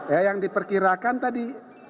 ya yang diperkirakan tadi